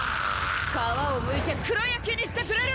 皮をむいて黒焼きにしてくれる！